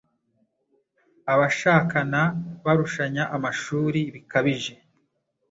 Abashakana barushanya amashuri bikabije